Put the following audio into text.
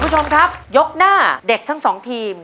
คุณผู้ชมครับยกหน้าเด็กทั้งสองทีม